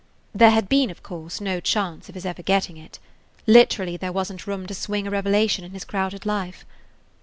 There had been, of course, no chance of his ever getting it. Literally there wasn't room to swing a revelation in his crowded life.